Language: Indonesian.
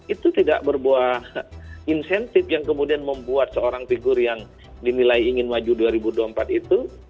itu tidak berbuah insentif yang kemudian membuat seorang figur yang dinilai ingin maju dua ribu dua puluh empat itu